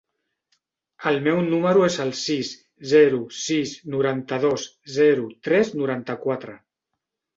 El meu número es el sis, zero, sis, noranta-dos, zero, tres, noranta-quatre.